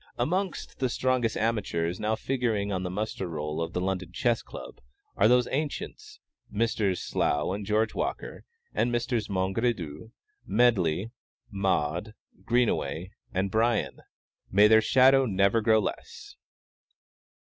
Amongst the strongest amateurs now figuring on the muster roll of the London Chess Club are those "ancients," Messrs. Slous and George Walker, and Messrs. Mongredieu, Medley, Maude, Greenaway, and Brien. "May their shadows never grow less!"